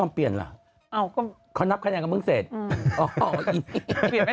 หรือว่าต้องยอมรับตามประติ